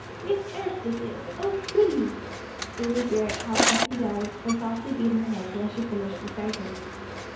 "Miss Anstice is; oh, goody!" Amy Garrett hopped up and down and softly beat her hands while she finished the sentence.